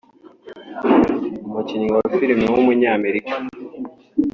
umukinnyi wa film w’umunyamerika